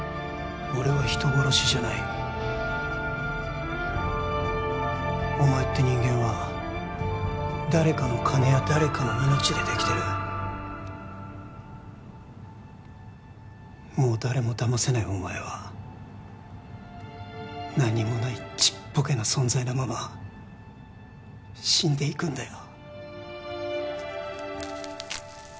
俺は人殺しじゃないお前って人間は誰かの金や誰かの命でできてるもう誰もだませないお前は何もないちっぽけな存在のまま死んでいくんだよ